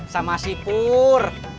sama si pur